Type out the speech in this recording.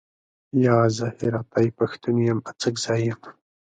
یا، زه هراتۍ پښتون یم، اڅګزی یم.